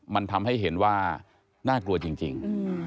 มันทำให้เห็นว่าน่ากลัวจริง